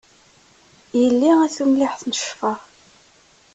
Yelli a tumliḥt n ccfer.